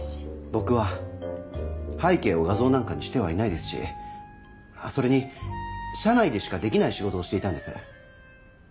僕は背景を画像なんかにしてはいないですしそれに社内でしかできない仕事をしていたんです。